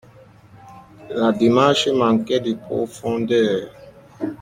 La démarche manquait de profondeur.